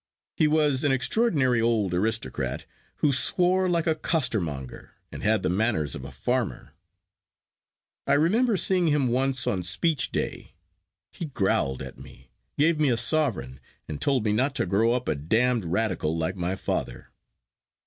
He was an extraordinary old aristocrat, who swore like a costermonger, and had the manners of a farmer. I remember seeing him once on Speech day. He growled at me, gave me a sovereign, and told me not to grow up "a damned Radical" like my father.